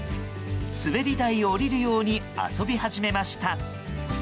滑り台を降りるように遊び始めました。